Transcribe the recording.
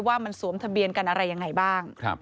ว่ามันสวมทะเบียนกันอะไรยังไงบ้าง